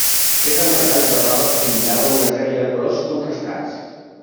Fet amb retalls de roba que combinaven una sèrie de colors contrastats.